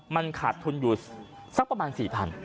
มันขาดทุนอยู่สักประมาณ๔๐๐บาท